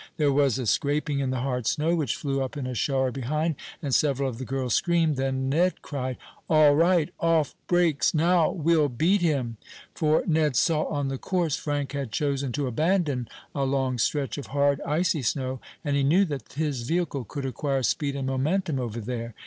There was a scraping in the hard snow, which flew up in a shower behind, and several of the girls screamed. Then Ned cried: "All right! Off brakes! Now we'll beat him!" For Ned saw on the course Frank had chosen to abandon, a long stretch of hard, icy snow, and he knew that his vehicle could acquire speed and momentum over there.